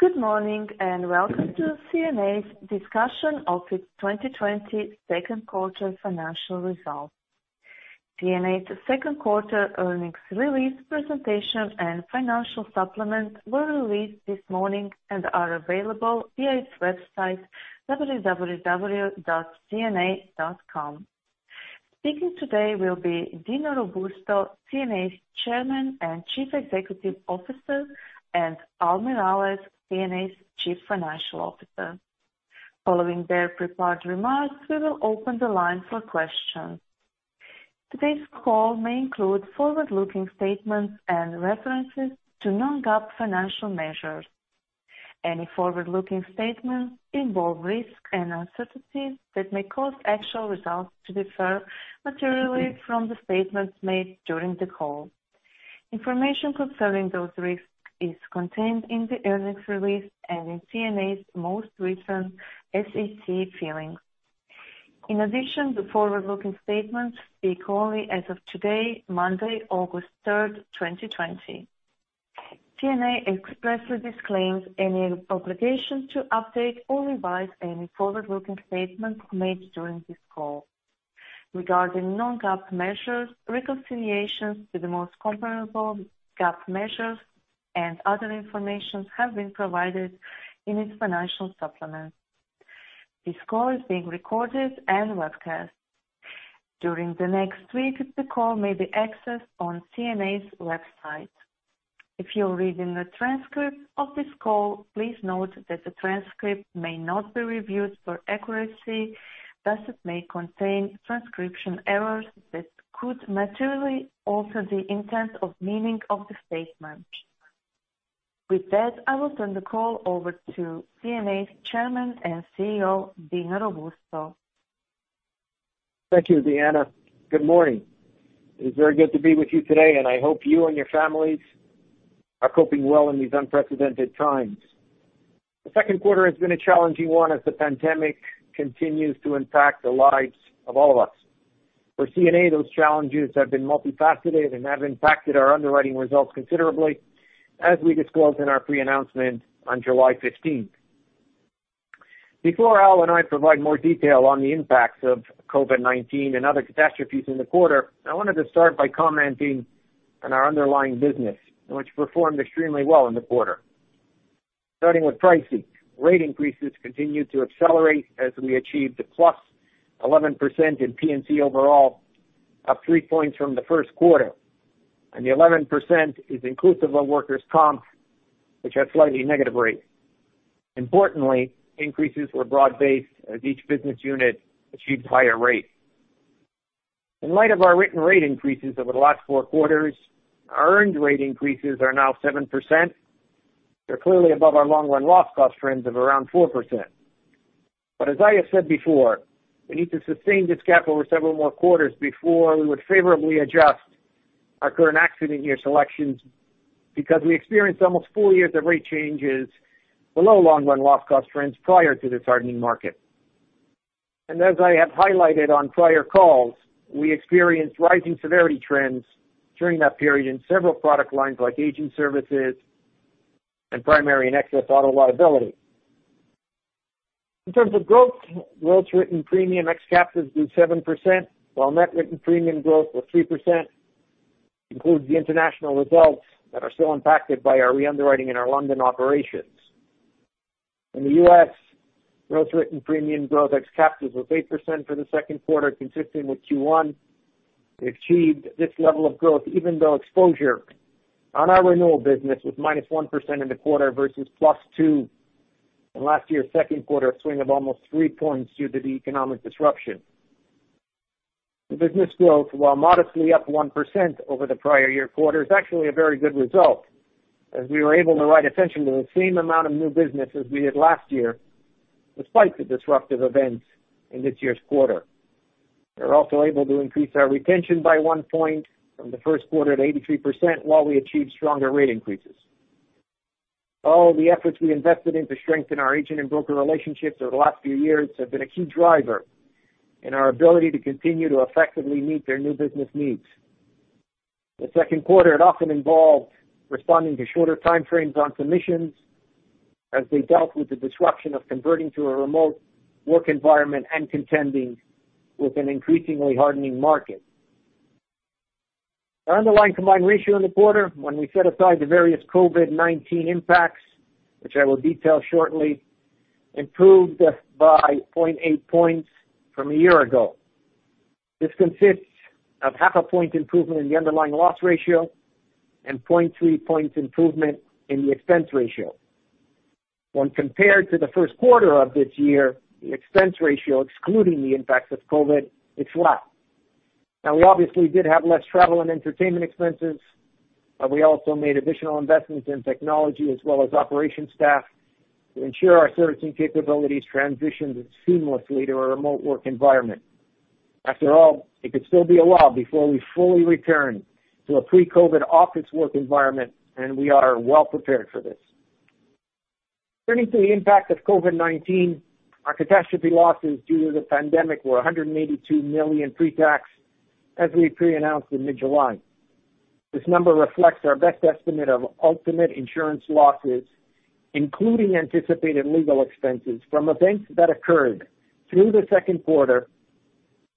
Good morning, and welcome to CNA's discussion of its 2020 second quarter financial results. CNA's second quarter earnings release presentation and financial supplement were released this morning and are available via its website, www.cna.com. Speaking today will be Dino Robusto, CNA's Chairman and Chief Executive Officer, and Al Miralles, CNA's Chief Financial Officer. Following their prepared remarks, we will open the line for questions. Today's call may include forward-looking statements and references to non-GAAP financial measures. Any forward-looking statements involve risks and uncertainties that may cause actual results to differ materially from the statements made during the call. Information concerning those risks is contained in the earnings release and in CNA's most recent SEC filings. In addition, the forward-looking statements speak only as of today, Monday, August 3rd, 2020. CNA expressly disclaims any obligation to update or revise any forward-looking statements made during this call. Regarding non-GAAP measures, reconciliations to the most comparable GAAP measures and other information have been provided in its financial supplement. This call is being recorded and webcast. During the next week, the call may be accessed on CNA's website. If you're reading a transcript of this call, please note that the transcript may not be reviewed for accuracy, thus it may contain transcription errors that could materially alter the intent of meaning of the statement. With that, I will turn the call over to CNA's Chairman and CEO, Dino Robusto. Thank you, Diana. Good morning. It is very good to be with you today, and I hope you and your families are coping well in these unprecedented times. The second quarter has been a challenging one as the pandemic continues to impact the lives of all of us. For CNA, those challenges have been multifaceted and have impacted our underwriting results considerably, as we disclosed in our pre-announcement on July 15th. Before Al and I provide more detail on the impacts of COVID-19 and other catastrophes in the quarter, I wanted to start by commenting on our underlying business, which performed extremely well in the quarter. Starting with pricing, rate increases continued to accelerate as we achieved a +11% in P&C overall, up three points from the first quarter, and the 11% is inclusive of workers' comp, which had slightly negative rates. Importantly, increases were broad-based as each business unit achieved higher rates. In light of our written rate increases over the last four quarters, our earned rate increases are now 7%. They're clearly above our long-run loss cost trends of around 4%. As I have said before, we need to sustain this gap over several more quarters before we would favorably adjust our current accident year selections, because we experienced almost four years of rate changes below long run loss cost trends prior to this hardening market. As I have highlighted on prior calls, we experienced rising severity trends during that period in several product lines like aging services and primary and excess auto liability. In terms of growth, gross written premium ex captives grew 7%, while net written premium growth was 3%, includes the international results that are still impacted by our re-underwriting in our London operations. In the U.S., gross written premium growth ex captives was 8% for the second quarter, consistent with Q1. We achieved this level of growth even though exposure on our renewal business was -1% in the quarter versus plus two in last year's second quarter, a swing of almost three points due to the economic disruption. The business growth, while modestly up 1% over the prior year quarter, is actually a very good result as we were able to write essentially the same amount of new business as we did last year, despite the disruptive events in this year's quarter. We were also able to increase our retention by one point from the first quarter at 83%, while we achieved stronger rate increases. All the efforts we invested in to strengthen our agent and broker relationships over the last few years have been a key driver in our ability to continue to effectively meet their new business needs. The second quarter had often involved responding to shorter time frames on submissions as we dealt with the disruption of converting to a remote work environment and contending with an increasingly hardening market. Our underlying combined ratio in the quarter, when we set aside the various COVID-19 impacts, which I will detail shortly, improved by 0.8 points from a year ago. This consists of half a point improvement in the underlying loss ratio and 0.3 points improvement in the expense ratio. When compared to the first quarter of this year, the expense ratio, excluding the impacts of COVID, is flat. We obviously did have less travel and entertainment expenses, but we also made additional investments in technology as well as operations staff to ensure our servicing capabilities transitioned seamlessly to a remote work environment. After all, it could still be a while before we fully return to a pre-COVID office work environment, and we are well prepared for this. Turning to the impact of COVID-19, our catastrophe losses due to the pandemic were $182 million pre-tax, as we pre-announced in mid-July. This number reflects our best estimate of ultimate insurance losses, including anticipated legal expenses from events that occurred through the second quarter,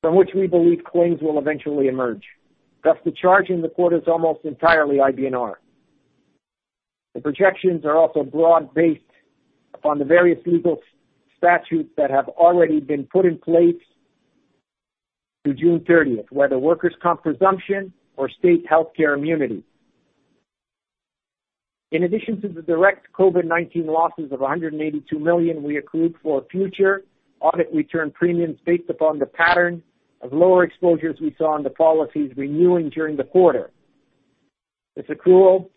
from which we believe claims will eventually emerge. The charge in the quarter is almost entirely IBNR. The projections are also broad-based upon the various legal statutes that have already been put in place through June 30th, whether Workers' comp assumption or state healthcare immunity. In addition to the direct COVID-19 losses of $182 million, we accrued for future audit return premiums based upon the pattern of lower exposures we saw in the policies renewing during the quarter. It was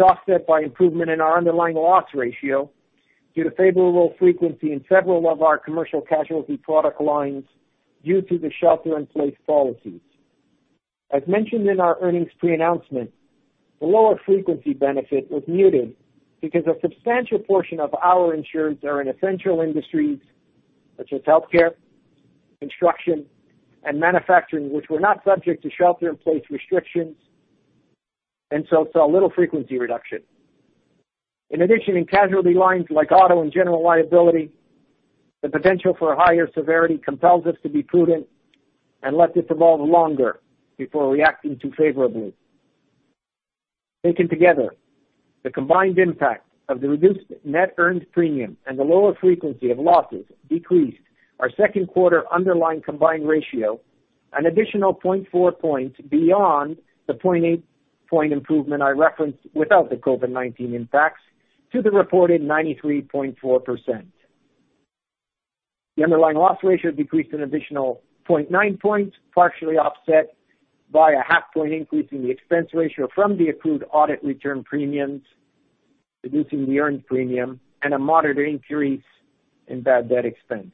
offset by improvement in our underlying loss ratio due to favorable frequency in several of our commercial casualty product lines due to the shelter-in-place policies. As mentioned in our earnings pre-announcement, the lower frequency benefit was muted because a substantial portion of our insureds are in essential industries such as healthcare, construction, and manufacturing, which were not subject to shelter-in-place restrictions, so saw little frequency reduction. In addition, in casualty lines like auto and general liability, the potential for higher severity compels us to be prudent and let this evolve longer before reacting too favorably. Taken together, the combined impact of the reduced net earned premium and the lower frequency of losses decreased our second quarter underlying combined ratio an additional 0.4 points beyond the 0.8 point improvement I referenced without the COVID-19 impacts to the reported 93.4%. The underlying loss ratio decreased an additional 0.9 points, partially offset by a half point increase in the expense ratio from the accrued audit return premiums, reducing the earned premium, and a moderate increase in bad debt expense.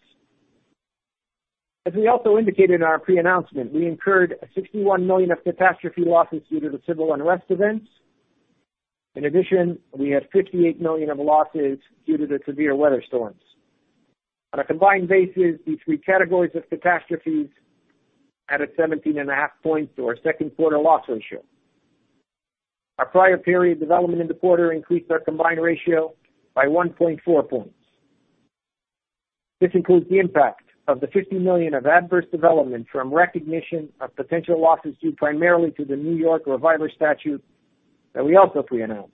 As we also indicated in our pre-announcement, we incurred $61 million of catastrophe losses due to the civil unrest events. In addition, we had $58 million of losses due to the severe weather storms. On a combined basis, these three categories of catastrophes added 17.5 points to our second quarter loss ratio. Our prior period development in the quarter increased our combined ratio by 1.4 points. This includes the impact of the $50 million of adverse development from recognition of potential losses due primarily to the New York reviver statute that we also pre-announced.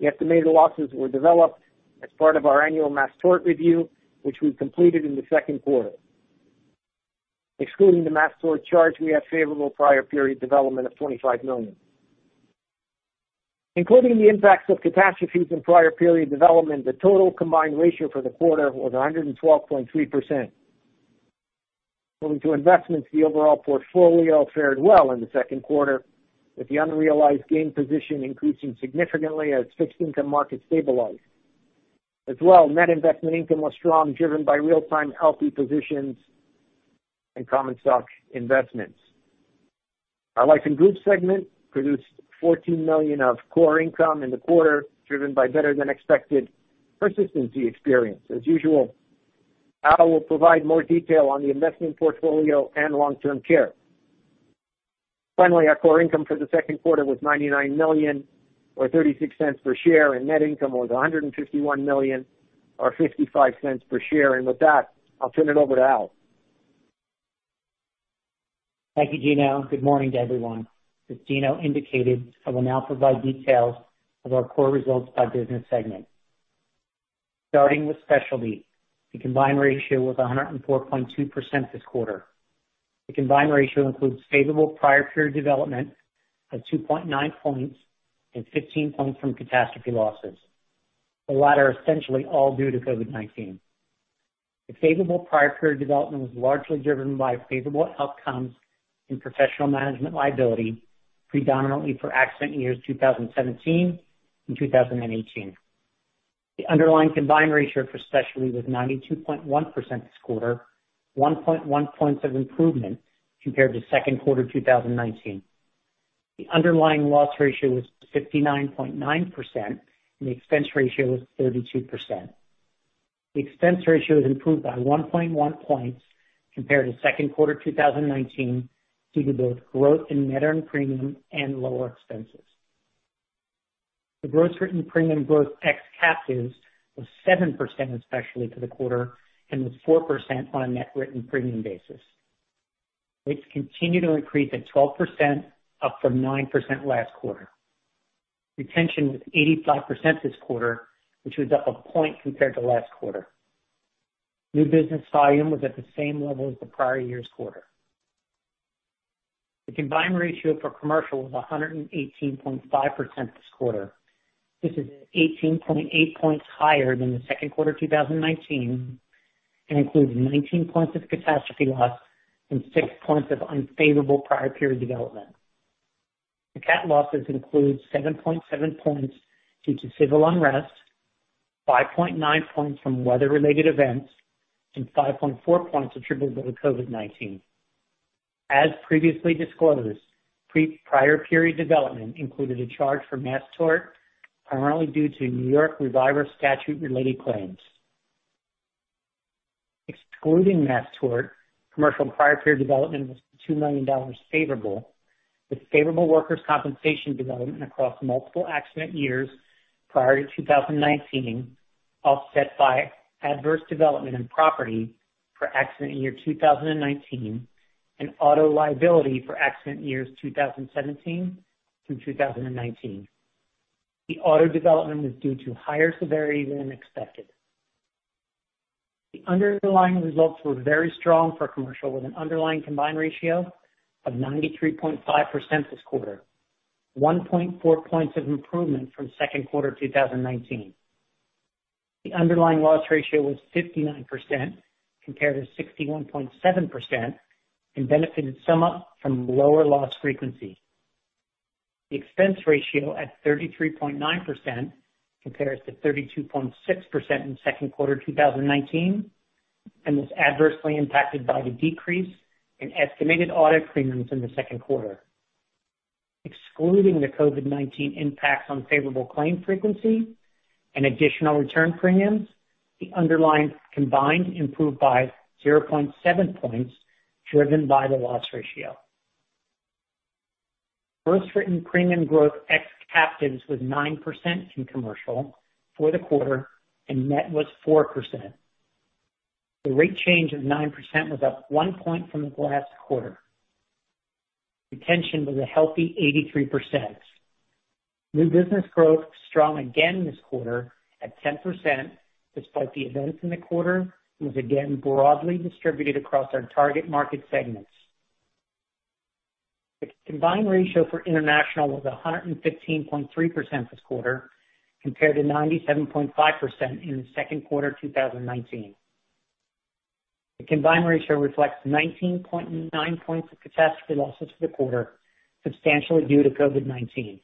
The estimated losses were developed as part of our annual mass tort review, which we completed in the second quarter. Excluding the mass tort charge, we have favorable prior period development of $25 million. Including the impacts of catastrophes in prior period development, the total combined ratio for the quarter was 112.3%. Moving to investments, the overall portfolio fared well in the second quarter, with the unrealized gain position increasing significantly as fixed income markets stabilized. Net investment income was strong, driven by real-time healthy positions in common stock investments. Our life and group segment produced $14 million of core income in the quarter, driven by better than expected persistency experience. As usual, Al will provide more detail on the investment portfolio and long-term care. Finally, our core income for the second quarter was $99 million, or $0.36 per share, and net income was $151 million, or $0.55 per share. With that, I'll turn it over to Al. Thank you, Dino. Good morning to everyone. As Dino indicated, I will now provide details of our core results by business segment. Starting with specialty, the combined ratio was 104.2% this quarter. The combined ratio includes favorable prior period development of 2.9 points and 15 points from catastrophe losses. The latter essentially all due to COVID-19. The favorable prior period development was largely driven by favorable outcomes in professional management liability, predominantly for accident years 2017 and 2018. The underlying combined ratio for specialty was 92.1% this quarter, 1.1 points of improvement compared to second quarter 2019. The underlying loss ratio was 59.9%, and the expense ratio was 32%. The expense ratio has improved by 1.1 points compared to second quarter 2019 due to both growth in net earned premium and lower expenses. The gross written premium growth ex captives was 7% in specialty for the quarter and was 4% on a net written premium basis. Rates continued to increase at 12%, up from 9% last quarter. Retention was 85% this quarter, which was up a point compared to last quarter. New business volume was at the same level as the prior year's quarter. The combined ratio for commercial was 118.5% this quarter. This is 18.8 points higher than the second quarter 2019 and includes 19 points of catastrophe loss and six points of unfavorable prior period development. The cat losses include 7.7 points due to civil unrest, 5.9 points from weather-related events, and 5.4 points attributable to COVID-19. As previously disclosed, prior period development included a charge for mass tort, primarily due to New York reviver statute-related claims. Excluding that tort, commercial prior period development was $2 million favorable, with favorable workers' compensation development across multiple accident years prior to 2019, offset by adverse development in property for accident year 2019 and auto liability for accident years 2017 through 2019. The auto development was due to higher severity than expected. The underlying results were very strong for commercial, with an underlying combined ratio of 93.5% this quarter, 1.4 points of improvement from second quarter 2019. The underlying loss ratio was 59%, compared to 61.7%, and benefited somewhat from lower loss frequency. The expense ratio at 33.9% compares to 32.6% in second quarter 2019, and was adversely impacted by the decrease in estimated audit premiums in the second quarter. Excluding the COVID-19 impacts on favorable claim frequency and additional return premiums, the underlying combined improved by 0.7 points, driven by the loss ratio. Gross written premium growth ex captives was 9% in commercial for the quarter, and net was 4%. The rate change of 9% was up one point from the last quarter. Retention was a healthy 83%. New business growth was strong again this quarter at 10%, despite the events in the quarter, and was again broadly distributed across our target market segments. The combined ratio for international was 115.3% this quarter, compared to 97.5% in the second quarter 2019. The combined ratio reflects 19.9 points of catastrophe losses for the quarter, substantially due to COVID-19.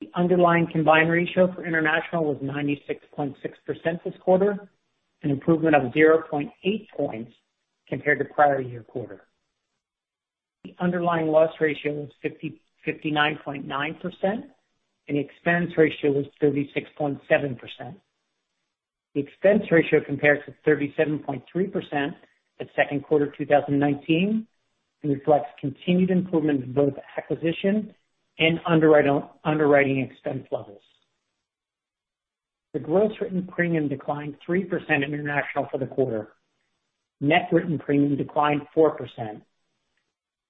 The underlying combined ratio for international was 96.6% this quarter, an improvement of 0.8 points compared to prior year quarter. The underlying loss ratio was 59.9%, and the expense ratio was 36.7%. The expense ratio compares to 37.3% at second quarter 2019 and reflects continued improvement in both acquisition and underwriting expense levels. The gross written premium declined 3% international for the quarter. Net written premium declined 4%.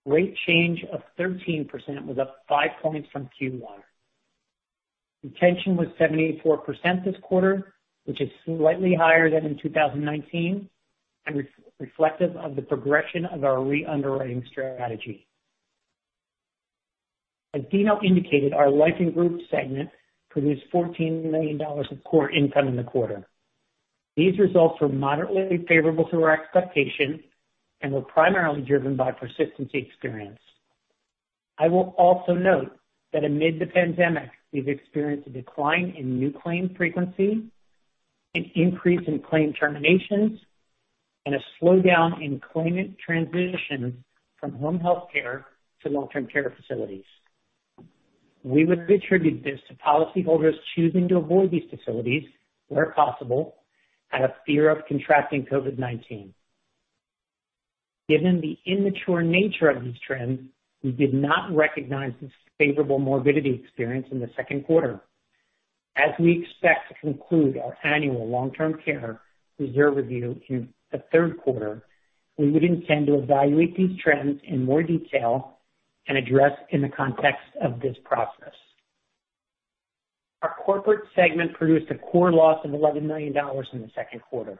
Rate change of 13% was up five points from Q1. Retention was 74% this quarter, which is slightly higher than in 2019 and reflective of the progression of our re-underwriting strategy. As Dino indicated, our life and group segment produced $14 million of core income in the quarter. These results were moderately favorable to our expectations and were primarily driven by persistency experience. I will also note that amid the pandemic, we've experienced a decline in new claim frequency, an increase in claim terminations, and a slowdown in claimant transitions from home healthcare to long-term care facilities. We would attribute this to policyholders choosing to avoid these facilities where possible, out of fear of contracting COVID-19. Given the immature nature of these trends, we did not recognize this favorable morbidity experience in the second quarter. As we expect to conclude our annual long-term care reserve review in the third quarter, we would intend to evaluate these trends in more detail and address in the context of this process. Our corporate segment produced a core loss of $11 million in the second quarter.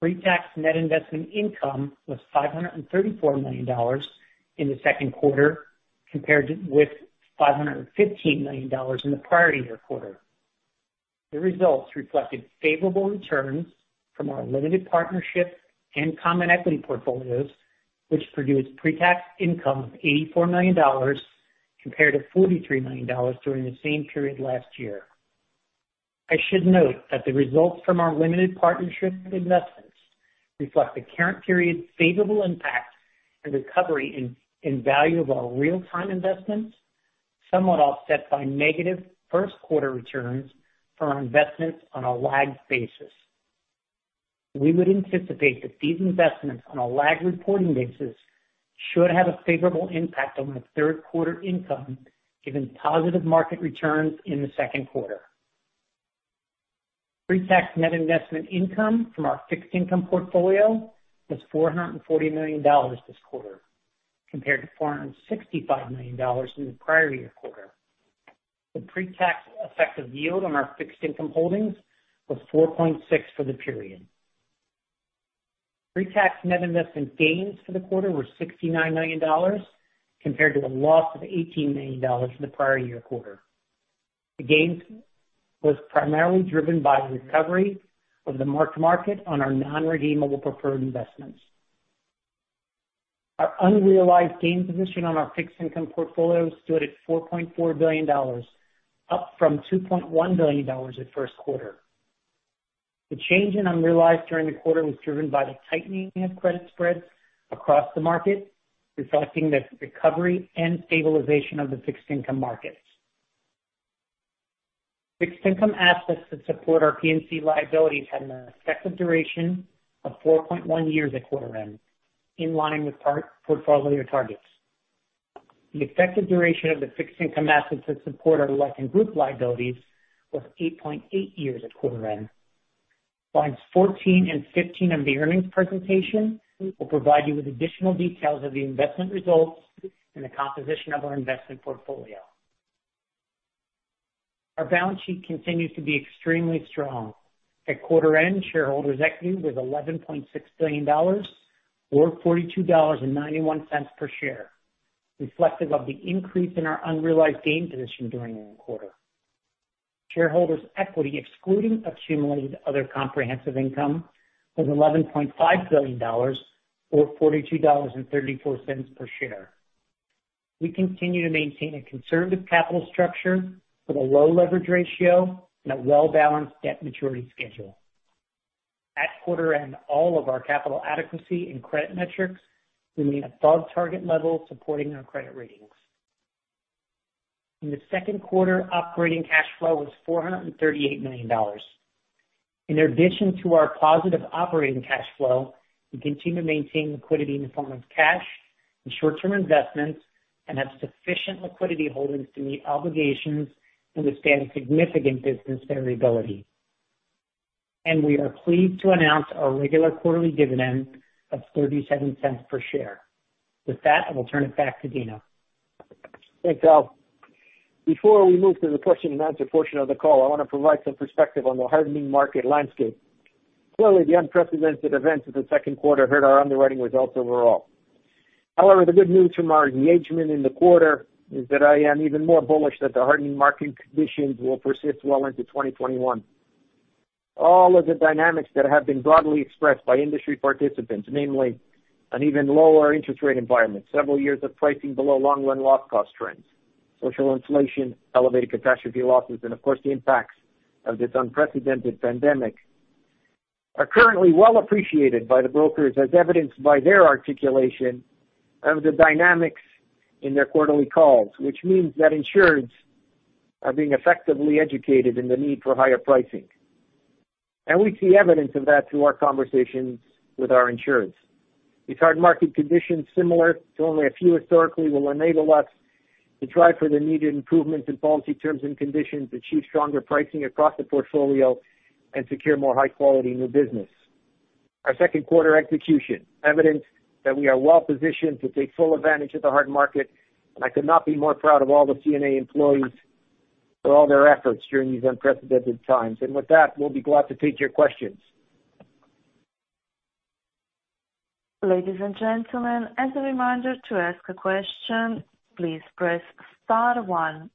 Pre-tax net investment income was $534 million in the second quarter, compared with $515 million in the prior year quarter. The results reflected favorable returns from our limited partnership and common equity portfolios, which produced pre-tax income of $84 million compared to $43 million during the same period last year. I should note that the results from our limited partnership investments reflect the current period's favorable impact and recovery in value of our real-time investments, somewhat offset by negative first quarter returns for our investments on a lagged basis. We would anticipate that these investments on a lagged reporting basis should have a favorable impact on the third quarter income, given positive market returns in the second quarter. Pre-tax net investment income from our fixed income portfolio was $440 million this quarter, compared to $465 million in the prior year quarter. The pre-tax effective yield on our fixed income holdings was 4.6% for the period. Pre-tax net investment gains for the quarter were $69 million, compared to a loss of $18 million for the prior year quarter. The gain was primarily driven by the recovery of the marked-to-market on our non-redeemable preferred investments. Our unrealized gain position on our fixed income portfolio stood at $4.4 billion, up from $2.1 billion at first quarter. The change in unrealized during the quarter was driven by the tightening of credit spreads across the market, reflecting the recovery and stabilization of the fixed income markets. Fixed income assets that support our P&C liabilities had an effective duration of 4.1 years at quarter end, in line with portfolio targets. The effective duration of the fixed income assets that support our life and group liabilities was 8.8 years at quarter end. Slides 14 and 15 of the earnings presentation will provide you with additional details of the investment results and the composition of our investment portfolio. Our balance sheet continues to be extremely strong. At quarter end, shareholders' equity was $11.6 billion or $42.91 per share, reflective of the increase in our unrealized gain position during the quarter. Shareholders' equity, excluding accumulated other comprehensive income, was $11.5 billion or $42.34 per share. We continue to maintain a conservative capital structure with a low leverage ratio and a well-balanced debt maturity schedule. At quarter end, all of our capital adequacy and credit metrics remain above target levels, supporting our credit ratings. In the second quarter, operating cash flow was $438 million. In addition to our positive operating cash flow, we continue to maintain liquidity in the form of cash and short-term investments and have sufficient liquidity holdings to meet obligations and withstand significant business variability. We are pleased to announce our regular quarterly dividend of $0.37 per share. With that, I will turn it back to Dino. Thanks, Al. Before we move to the question and answer portion of the call, I want to provide some perspective on the hardening market landscape. Clearly, the unprecedented events of the second quarter hurt our underwriting results overall. The good news from our engagement in the quarter is that I am even more bullish that the hardening market conditions will persist well into 2021. All of the dynamics that have been broadly expressed by industry participants, namely an even lower interest rate environment, several years of pricing below long run loss cost trends, social inflation, elevated catastrophe losses, and of course, the impacts of this unprecedented pandemic, are currently well appreciated by the brokers, as evidenced by their articulation of the dynamics in their quarterly calls, which means that insureds are being effectively educated in the need for higher pricing. We see evidence of that through our conversations with our insureds. These hard market conditions, similar to only a few historically, will enable us to drive for the needed improvements in policy terms and conditions, achieve stronger pricing across the portfolio, and secure more high-quality new business. Our second quarter execution evidenced that we are well positioned to take full advantage of the hard market, and I could not be more proud of all the CNA employees for all their efforts during these unprecedented times. With that, we'll be glad to take your questions. Ladies and gentlemen, as a reminder, to ask a question, please press star one.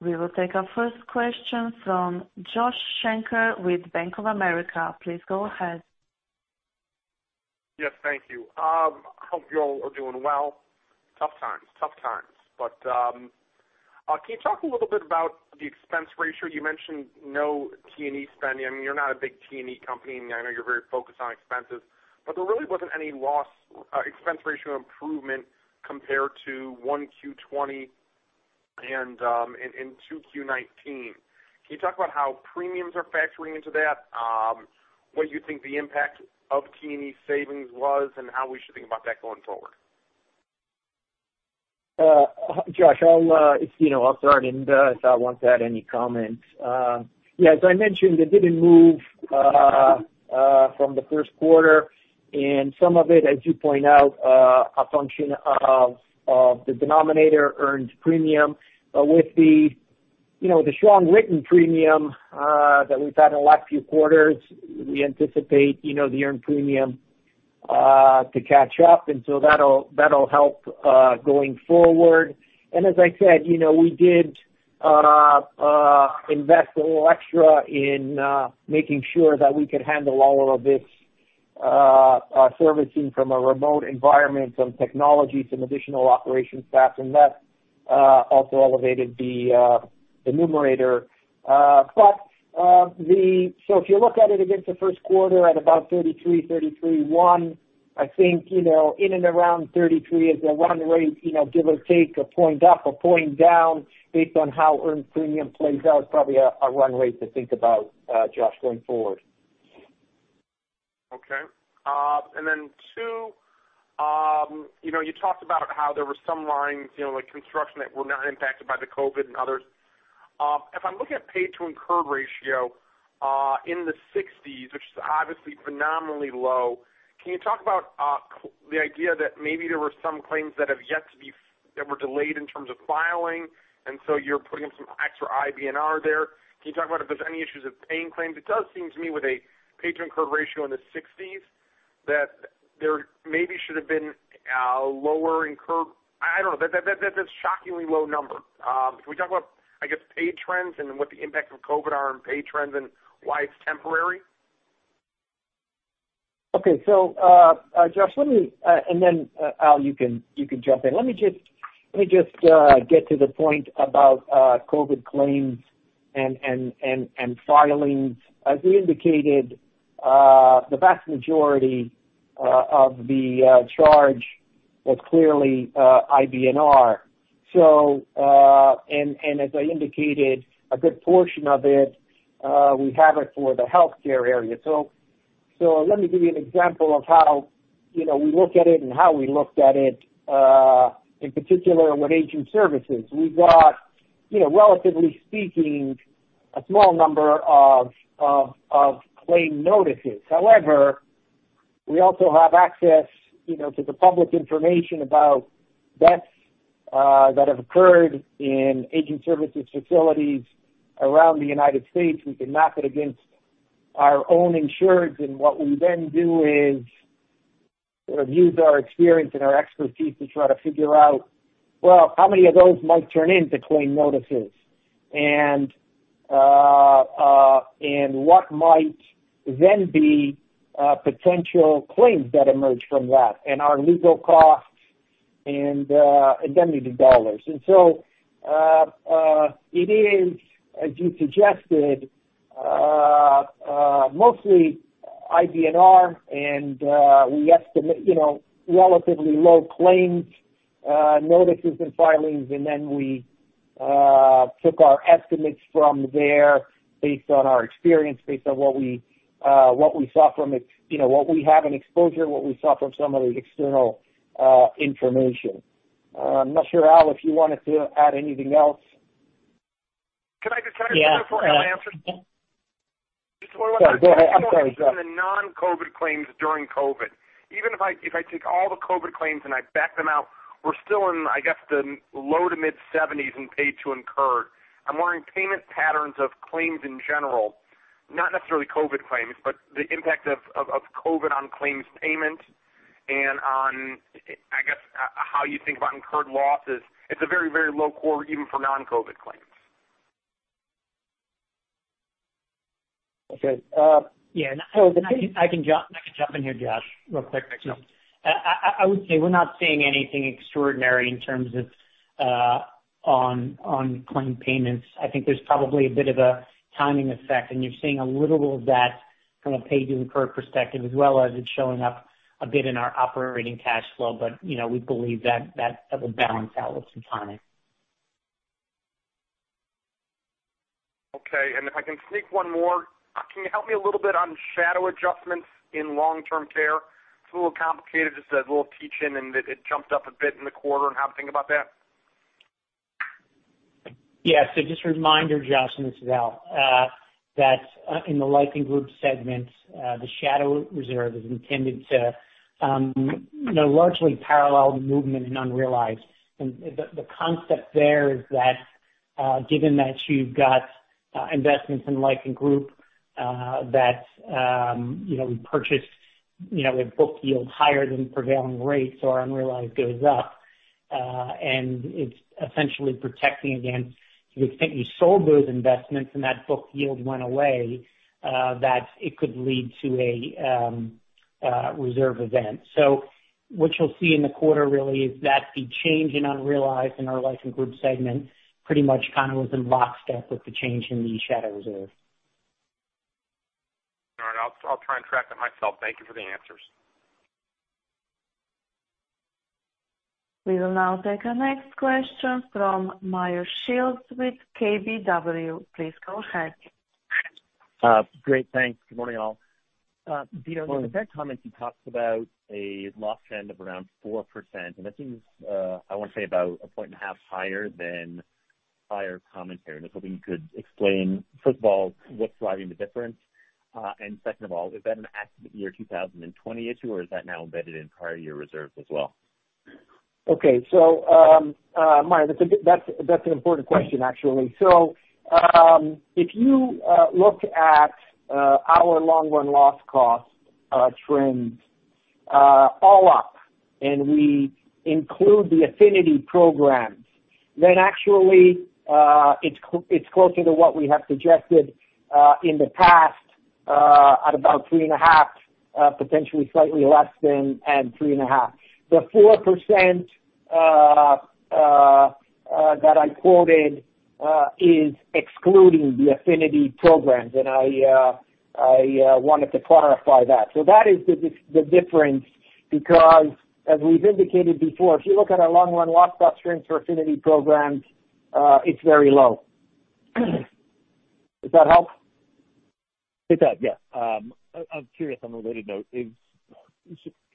We will take our first question from Josh Shanker with Bank of America. Please go ahead. Yes, thank you. I hope you all are doing well. Tough times. Can you talk a little bit about the expense ratio? You mentioned no T&E spending. You're not a big T&E company, and I know you're very focused on expenses, but there really wasn't any loss expense ratio improvement compared to 1Q20 and in 2Q19. Can you talk about how premiums are factoring into that, what you think the impact of T&E savings was, and how we should think about that going forward? Josh, it's Dino. I'll start, and if Al wants to add any comments. As I mentioned, it didn't move from the first quarter, and some of it, as you point out, a function of the denominator earned premium. With the strong written premium that we've had in the last few quarters, we anticipate the earned premium to catch up, and so that'll help going forward. As I said, we did invest a little extra in making sure that we could handle all of this servicing from a remote environment, some technology, some additional operation staff, and that also elevated the numerator. If you look at it against the first quarter at about 33, 33.1, I think, in and around 33 is a run rate, give or take a point up, a point down based on how earned premium plays out, probably a run rate to think about, Josh, going forward. Okay. Two, you talked about how there were some lines, like construction, that were not impacted by the COVID-19 and others. If I'm looking at paid to incurred ratio in the 60s, which is obviously phenomenally low, can you talk about the idea that maybe there were some claims that were delayed in terms of filing, and so you're putting in some extra IBNR there? Can you talk about if there's any issues with paying claims? It does seem to me with a paid to incurred ratio in the 60s that there maybe should have been a lower incurred. I don't know. That's a shockingly low number. Can we talk about, I guess, paid trends and what the impact of COVID are on paid trends and why it's temporary? Okay. Josh, let me, and then, Al, you can jump in. Let me just get to the point about COVID claims and filings. As we indicated, the vast majority of the charge was clearly IBNR. As I indicated, a good portion of it, we have it for the healthcare area. Let me give you an example of how we look at it and how we looked at it, in particular with aging services. We got relatively speaking, a small number of claim notices. However, we also have access to the public information about deaths that have occurred in aging services facilities around the United States. We can map it against our own insureds, and what we then do is sort of use our experience and our expertise to try to figure out, well, how many of those might turn into claim notices? What might then be potential claims that emerge from that, and our legal costs and indemnity dollars. It is, as you suggested, mostly IBNR, and we estimate relatively low claims, notices, and filings. We took our estimates from there based on our experience, based on what we have in exposure, and what we saw from some of the external information. I'm not sure, Al, if you wanted to add anything else. Can I just interject before Al answers? Sorry, go ahead. I'm sorry, Josh. Just one more. I'm interested in the non-COVID claims during COVID. Even if I take all the COVID claims and I back them out, we're still in, I guess, the low to mid seventies in paid to incurred. I'm wondering payment patterns of claims in general, not necessarily COVID claims, but the impact of COVID on claims payment and on, I guess, how you think about incurred losses. It's a very low quarter even for non-COVID claims Yeah. I can jump in here, Josh, real quick. Sure. I would say we're not seeing anything extraordinary in terms of on claim payments. I think there's probably a bit of a timing effect, and you're seeing a little of that from a paid to incurred perspective as well as it's showing up a bit in our operating cash flow. We believe that will balance out with some timing. Okay. If I can sneak one more, can you help me a little bit on shadow adjustments in long-term care? It's a little complicated, just a little teach-in. It jumped up a bit in the quarter. How to think about that. Yeah. Just a reminder, Josh, and this is Al, that in the life and group segment, the shadow reserve is intended to largely parallel the movement in unrealized. The concept there is that, given that you've got investments in life and group that we purchased with book yield higher than prevailing rates or unrealized goes up, and it's essentially protecting against to the extent you sold those investments and that book yield went away, that it could lead to a reserve event. What you'll see in the quarter really is that the change in unrealized in our life and group segment pretty much kind of was in lockstep with the change in the shadow reserve. All right. I'll try and track that myself. Thank you for the answers. We will now take our next question from Meyer Shields with KBW. Please go ahead. Great. Thanks. Good morning, all. Dino. Morning In the prepared comments, you talked about a loss trend of around 4%, and that seems, I want to say about a point and a half higher than prior commentary. I'm just hoping you could explain, first of all, what's driving the difference. Second of all, is that an accident year 2020 issue, or is that now embedded in prior year reserves as well? Okay. Meyer, that's an important question, actually. If you look at our long run loss cost trends all up, and we include the affinity programs, actually, it's closer to what we have suggested in the past, at about three and a half, potentially slightly less than three and a half. The 4% that I quoted is excluding the affinity programs, I wanted to clarify that. That is the difference because as we've indicated before, if you look at our long run loss cost trends for affinity programs, it's very low. Does that help? It does, yeah. I'm curious on a related note,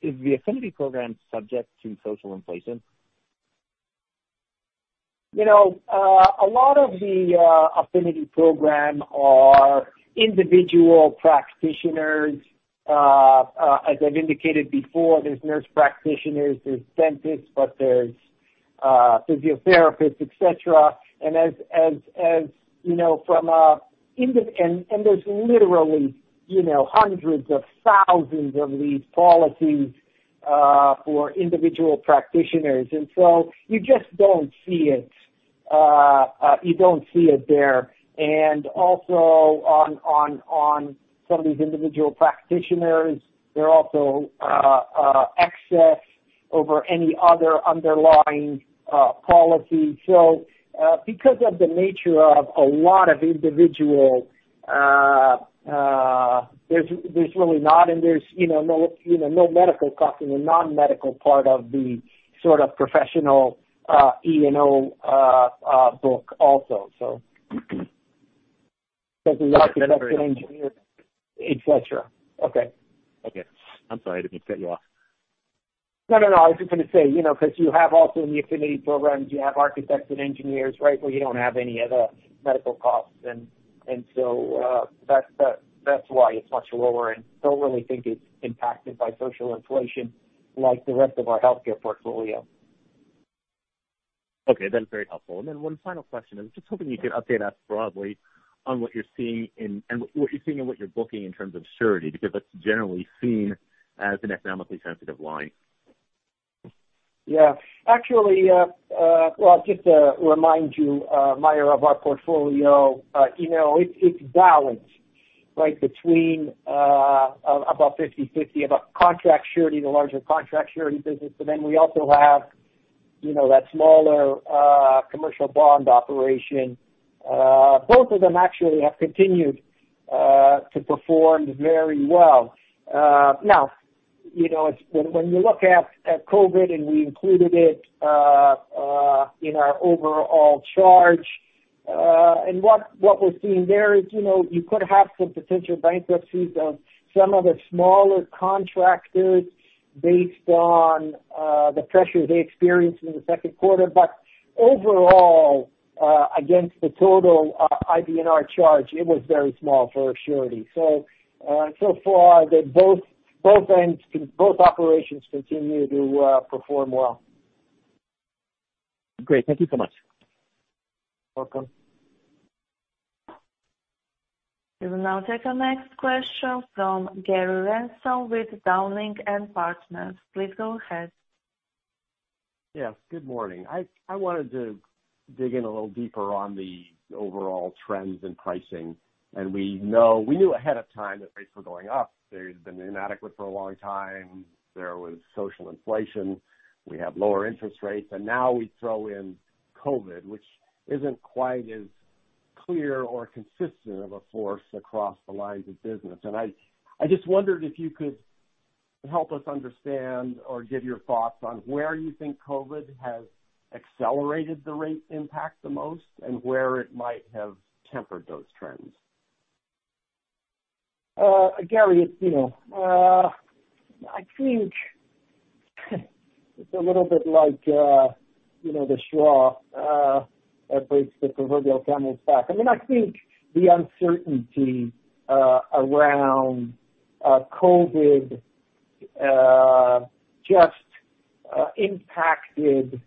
is the affinity program subject to social inflation? A lot of the affinity program are individual practitioners. As I've indicated before, there's nurse practitioners, there's dentists, but there's physiotherapists, et cetera. There's literally hundreds of thousands of these policies for individual practitioners. You just don't see it there. On some of these individual practitioners, they're also excess over any other underlying policy. Because of the nature of a lot of individual, there's really no medical costing, the non-medical part of the professional E&O book also. Okay. That's very- architects and engineers, et cetera. Okay. Okay. I'm sorry. I didn't mean to cut you off. No, no. I was just going to say, because you have also in the affinity programs, you have architects and engineers, right, where you don't have any of the medical costs. That's why it's much lower, and don't really think it's impacted by social inflation like the rest of our healthcare portfolio. Okay. That's very helpful. Then one final question. I'm just hoping you can update us broadly on what you're seeing and what you're booking in terms of surety, because that's generally seen as an economically sensitive line? Yeah. Actually, well, just to remind you, Meyer, of our portfolio, it's balanced between about 50/50 of a contract surety, the larger contract surety business, but then we also have that smaller commercial bond operation. Now, when you look at COVID, and we included it in our overall charge, and what we're seeing there is you could have some potential bankruptcies of some of the smaller contractors based on the pressure they experienced in the second quarter. Overall, against the total IBNR charge, it was very small for surety. Far, both operations continue to perform well. Great. Thank you so much. Welcome. We will now take our next question from Gary Ransom with Dowling & Partners. Please go ahead. Yes. Good morning. I wanted to dig in a little deeper on the overall trends in pricing. We knew ahead of time that rates were going up. They'd been inadequate for a long time. There was social inflation. We have lower interest rates, and now we throw in COVID, which isn't quite as clear or consistent of a force across the lines of business. I just wondered if you could help us understand or give your thoughts on where you think COVID has accelerated the rate impact the most, and where it might have tempered those trends. Gary, I think it's a little bit like the straw that breaks the proverbial camel's back. I think the uncertainty around COVID just impacted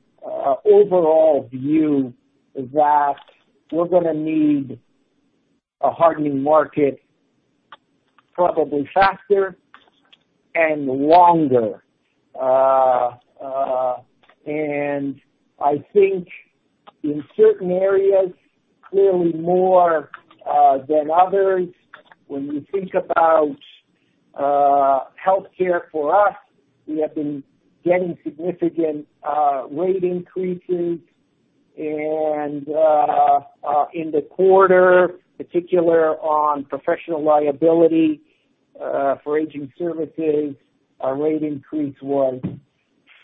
overall view that we're going to need a hardening market probably faster and longer. I think in certain areas, clearly more than others. When you think about healthcare for us, we have been getting significant rate increases. In the quarter, particular on professional liability for aging services, our rate increase was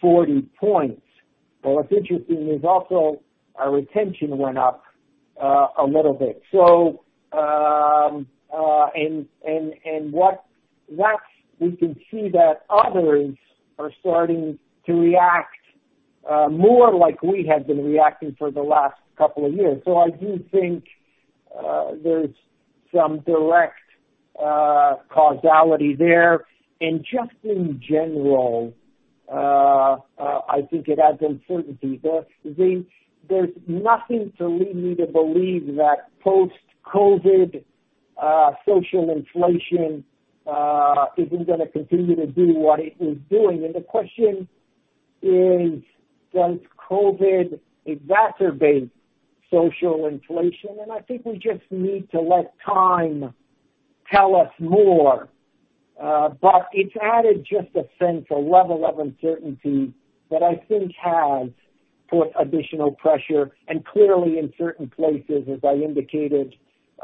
40 points. What's interesting is also our retention went up a little bit. We can see that others are starting to react more like we have been reacting for the last couple of years. I do think there's some direct causality there. Just in general, I think it adds uncertainty. There's nothing to lead me to believe that post-COVID social inflation isn't going to continue to do what it is doing, and the question is, does COVID exacerbate social inflation? I think we just need to let time tell us more. It's added just a sense, a level of uncertainty that I think has put additional pressure, and clearly in certain places, as I indicated,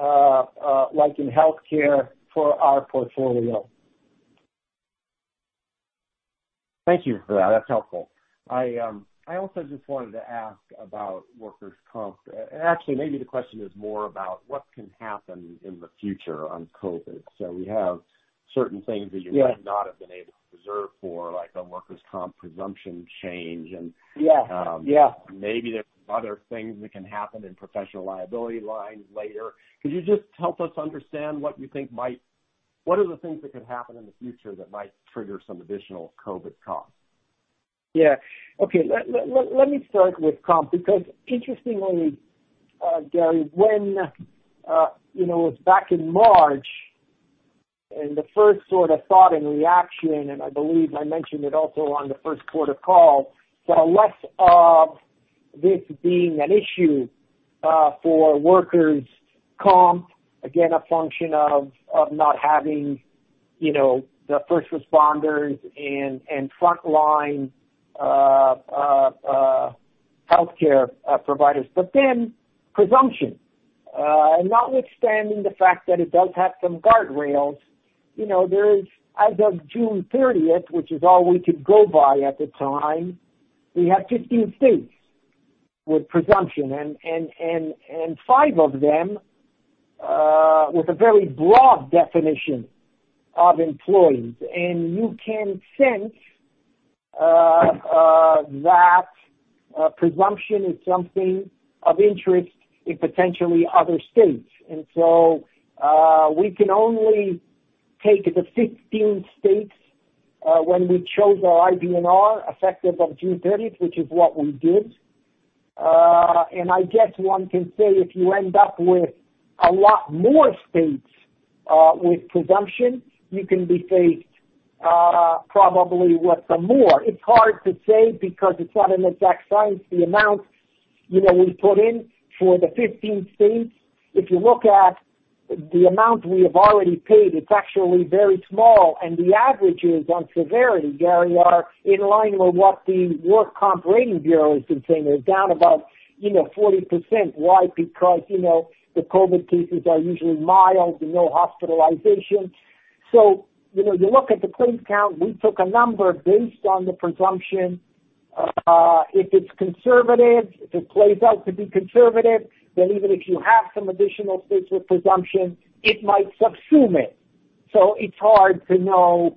like in healthcare for our portfolio. Thank you for that. That's helpful. I also just wanted to ask about workers' comp. Actually, maybe the question is more about what can happen in the future on COVID. We have certain things that you might not have been able to reserve for, like a workers' comp presumption change. Yes maybe there's other things that can happen in professional liability lines later. Could you just help us understand what are the things that could happen in the future that might trigger some additional COVID costs? Yeah. Okay. Let me start with comp, because interestingly, Gary, when it was back in March, and the first sort of thought and reaction, and I believe I mentioned it also on the first quarter call, saw less of this being an issue for workers' comp. Again, a function of not having the first responders and frontline healthcare providers. Presumption, notwithstanding the fact that it does have some guardrails, there is as of June 30th, which is all we could go by at the time, we had 15 states with presumption, and five of them with a very broad definition of employees. You can sense that presumption is something of interest in potentially other states. We can only take the 15 states when we chose our IBNR effective of June 30th, which is what we did. I guess one can say if you end up with a lot more states with presumption, you can be faced probably with some more. It's hard to say because it's not an exact science. The amount we put in for the 15 states, if you look at the amount we have already paid, it's actually very small. The averages on severity, Gary, are in line with what the Workers' Comp Rating Bureau has been saying. They're down about 40%. Why? Because the COVID cases are usually mild with no hospitalization. You look at the claim count, we took a number based on the presumption. If it's conservative, if it plays out to be conservative, then even if you have some additional states with presumption, it might subsume it. It's hard to know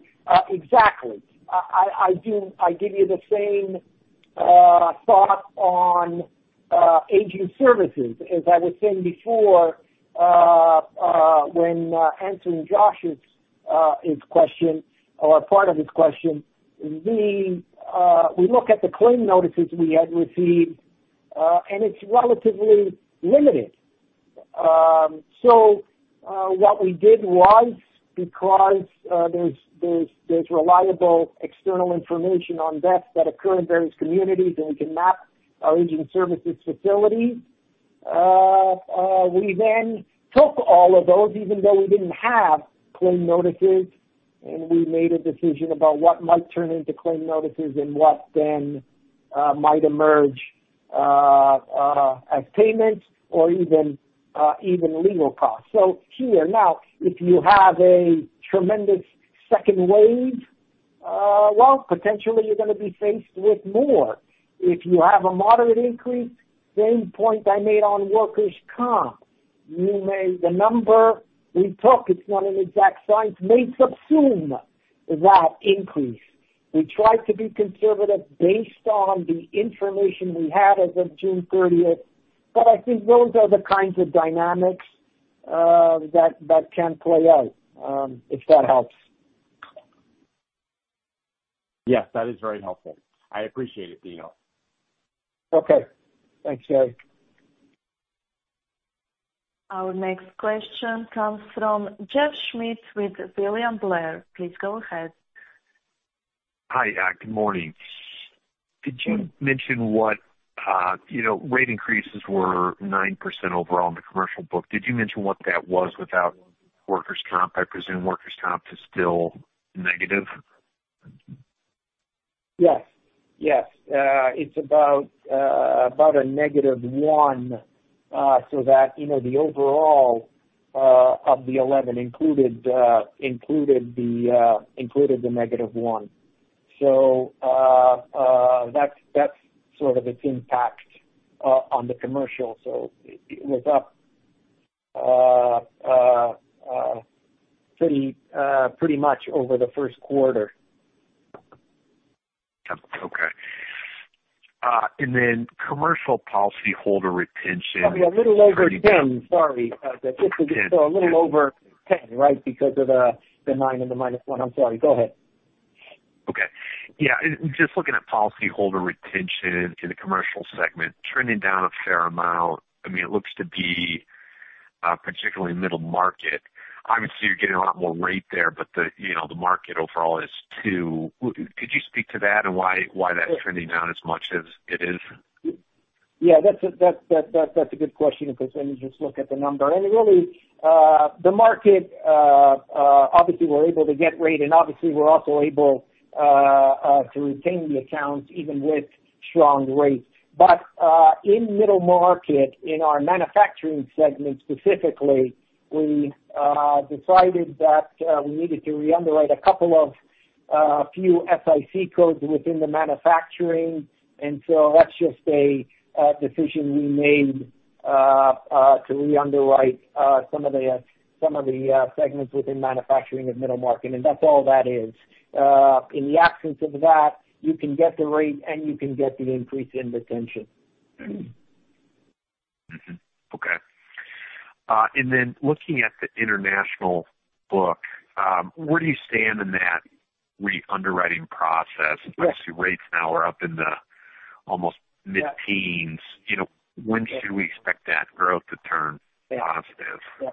exactly. I give you the same thought on aging services. As I was saying before, when answering Josh's question or part of his question, we look at the claim notices we had received, and it's relatively limited. What we did was because there's reliable external information on deaths that occur in various communities, and we can map our aging services facilities. We then took all of those, even though we didn't have claim notices, and we made a decision about what might turn into claim notices and what then might emerge as payments or even legal costs. Here now, if you have a tremendous second wave, well, potentially you're going to be faced with more. If you have a moderate increase, same point I made on workers' comp. The number we took, it's not an exact science, may subsume that increase. We tried to be conservative based on the information we had as of June 30th. I think those are the kinds of dynamics that can play out. If that helps. Yes, that is very helpful. I appreciate it, Dino. Okay. Thanks, Gary. Our next question comes from Jeff Schmitt with William Blair. Please go ahead. Hi. Good morning. Rate increases were 9% overall in the commercial book. Did you mention what that was without Workers' Comp? I presume Workers' Comp is still negative. Yes. It's about a negative one. That the overall of the 11 included the negative one. That's sort of its impact on the commercial. It was up pretty much over the first quarter. Okay. commercial policyholder retention- It's probably a little over 10. Sorry. 10. A little over 10, right? Because of the nine and the minus one. I'm sorry. Go ahead. Okay. Yeah. Just looking at policyholder retention in the commercial segment, trending down a fair amount. It looks to be particularly middle market. Obviously, you're getting a lot more rate there, but the market overall is too. Could you speak to that and why that's trending down as much as it is? Yeah, that's a good question because let me just look at the number. Really, the market, obviously we're able to get rate, and obviously we're also able to retain the accounts even with strong rates. In middle market, in our manufacturing segment specifically, we decided that we needed to re-underwrite a couple of few SIC codes within the manufacturing. That's just a decision we made to re-underwrite some of the segments within manufacturing of middle market, and that's all that is. In the absence of that, you can get the rate, and you can get the increase in retention. Okay. Then looking at the international book, where do you stand in that re-underwriting process? Yes. Obviously, rates now are up in the almost mid-teens. When should we expect that growth to turn positive?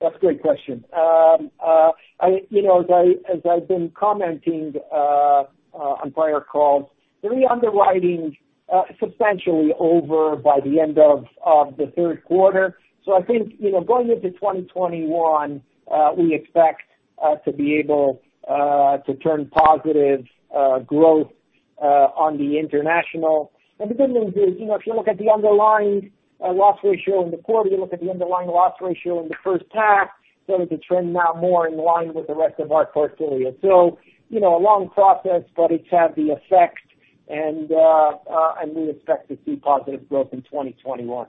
That's a great question. As I've been commenting on prior calls, the re-underwriting substantially over by the end of the third quarter. I think, going into 2021, we expect to be able to turn positive growth on the international. The good news is, if you look at the underlying loss ratio in the quarter, you look at the underlying loss ratio in the first half, so is the trend now more in line with the rest of our portfolio. A long process, but it's had the effect, and we expect to see positive growth in 2021.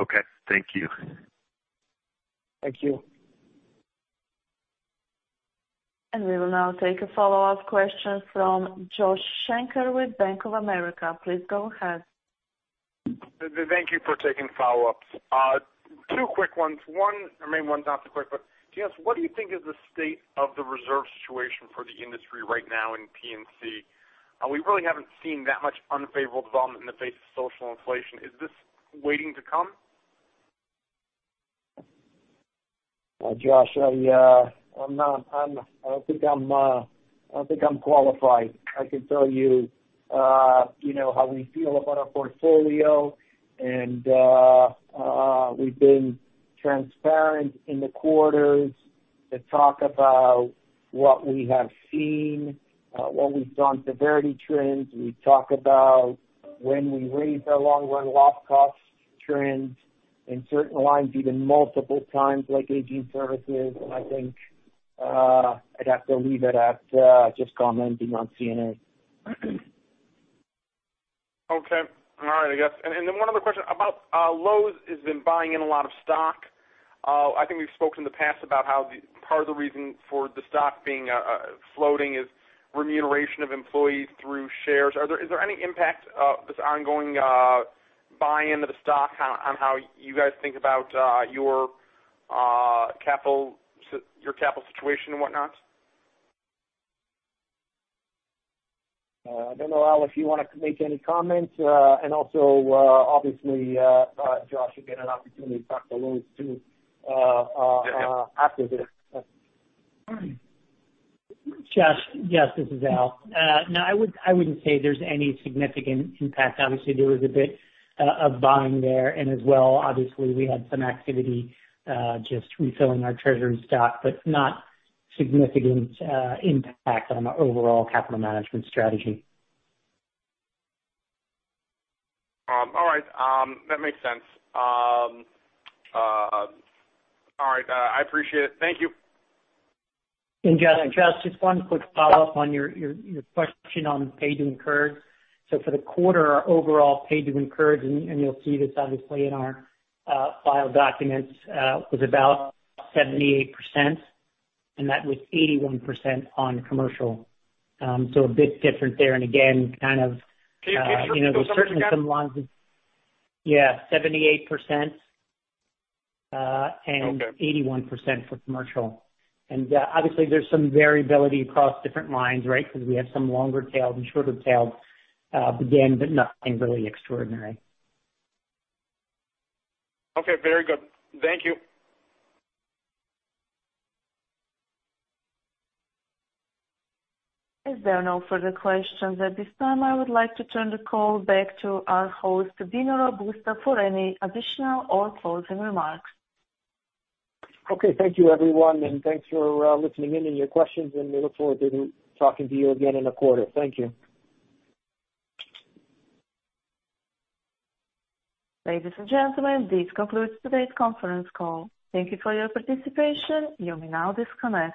Okay. Thank you. Thank you. We will now take a follow-up question from Josh Shanker with Bank of America. Please go ahead. Thank you for taking follow-ups. Two quick ones. One, I mean, one's not so quick. Can you ask, what do you think is the state of the reserve situation for the industry right now in P&C? We really haven't seen that much unfavorable development in the face of social inflation. Is this waiting to come? Josh, I don't think I'm qualified. I can tell you how we feel about our portfolio, and we've been transparent in the quarters to talk about what we have seen, what we've done, severity trends. We talk about when we raise our long-run loss cost trends in certain lines even multiple times, like aging services, and I think, I'd have to leave it at just commenting on CNA. Okay. All right, I guess. Then one other question about Loews has been buying in a lot of stock. I think we've spoken in the past about how part of the reason for the stock being floating is remuneration of employees through shares. Is there any impact of this ongoing buy-in of the stock on how you guys think about your capital situation and whatnot? I don't know, Al, if you want to make any comments. Also, obviously, Josh, you get an opportunity to talk to Loews too after this. Josh, yes, this is Al. No, I wouldn't say there's any significant impact. Obviously, there was a bit of buying there, as well, obviously, we had some activity just refilling our treasury stock, but not significant impact on our overall capital management strategy. All right. That makes sense. All right. I appreciate it. Thank you. Josh, just one quick follow-up on your question on paid and incurred. For the quarter, our overall paid and incurred, and you'll see this obviously in our filed documents, was about 78%, and that was 81% on commercial. A bit different there, and again. Can you repeat those numbers again? Yeah, 78% and- Okay 81% for commercial. Obviously, there's some variability across different lines, right? We have some longer tailed and shorter tailed, but again, nothing really extraordinary. Okay, very good. Thank you. If there are no further questions at this time, I would like to turn the call back to our host, Dino Robusto, for any additional or closing remarks. Okay. Thank you everyone. Thanks for listening in and your questions. We look forward to talking to you again in a quarter. Thank you. Ladies and gentlemen, this concludes today's conference call. Thank you for your participation. You may now disconnect.